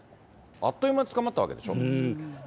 あっという間に捕まったわけでしょ？